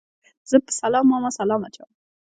زه په سلام ماما سلام اچوم